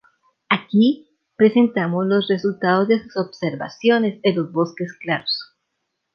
Aquí presentamos los resultados de sus observaciones en los bosques claros.